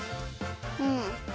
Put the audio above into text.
うん。